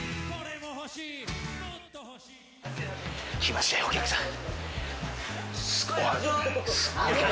来ましたよ、お客さん。